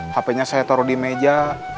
hpnya saya taruh di meja